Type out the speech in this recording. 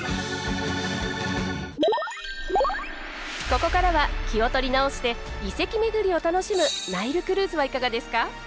ここからは気を取り直して遺跡巡りを楽しむナイルクルーズはいかがですか？